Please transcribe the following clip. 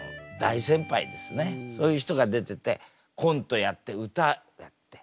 そういう人が出ててコントやって歌やって。